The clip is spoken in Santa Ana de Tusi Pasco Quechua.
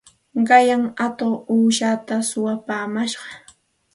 Qanyan atuq uushatam suwapaamash.